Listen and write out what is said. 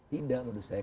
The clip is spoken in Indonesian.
tidak menurut saya